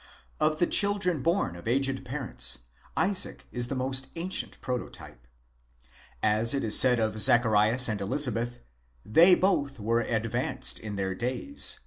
Of the children born of aged parents, Isaac is the most ancient pro totype. As it is said of Zacharias and Elizabeth, "they both were advanced in their days" (v.